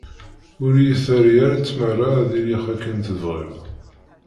Ur iyi-terri ara tmara ad iliɣ akken tebɣiḍ.